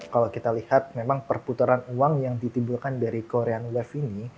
kalau kita lihat memang perputaran uang yang ditimbulkan dari korean web ini